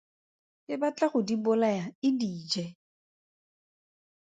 E batla go di bolaya e di je.